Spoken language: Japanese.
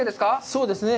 そうですね。